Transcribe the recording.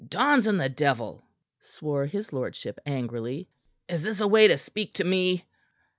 "Dons and the devil!" swore his lordship angrily. "Is this a way to speak to me?"